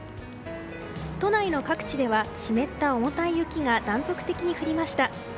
都内の各地では湿った重たい雪が断続的に降りました。